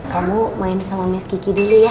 kamu main sama meski gigi dulu ya